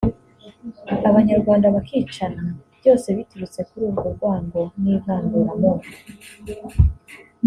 Abanyarwanda bakicana byose biturutse kuri urwo rwango n’ivangura moko